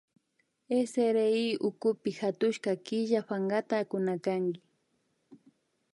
SRI ukupi hatushka killa pankata kunakanki